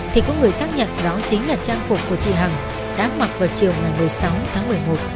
thì có người xác nhận đó chính là trang phục của chị hằng đã mặc vào chiều ngày một mươi sáu tháng một mươi một